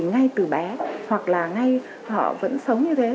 ngay từ bé hoặc là ngay họ vẫn sống như thế